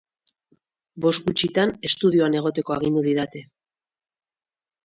Bost gutxitan estudioan egoteko agindu didate.